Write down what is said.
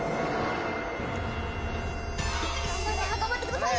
頑張ってください！